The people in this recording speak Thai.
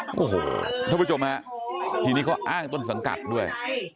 โอ้โหท่านผู้ชมฮะทีนี้เขาอ้างต้นสังกัดด้วย